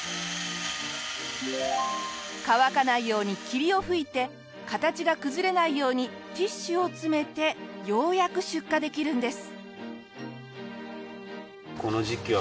乾かないように霧を吹いて形が崩れないようにティッシュを詰めてようやく出荷できるんです。